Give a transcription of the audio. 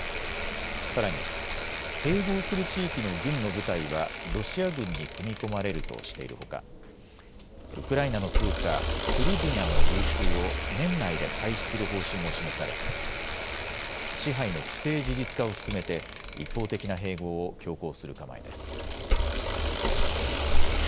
さらに併合する地域の軍の部隊はロシア軍に組み込まれるとしているほかウクライナの通貨フリブニャの流通を年内で廃止する方針も示され、支配の既成事実化を進めて一方的な併合を強行する構えです。